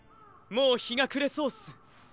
もうひがくれそうっす。